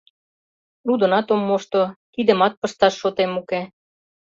— Лудынат ом мошто, кидымат пышташ шотем уке.